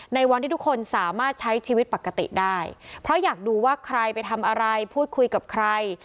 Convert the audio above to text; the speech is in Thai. ในวันที่ทุกคนสามารถใช้ชีวิตปกติได้เพราะอยากดูว่าใครไปทำอะไรพูดคุยกับใคร